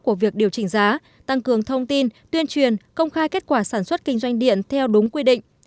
của việc điều chỉnh giá tăng cường thông tin tuyên truyền công khai kết quả sản xuất kinh doanh điện theo đúng quy định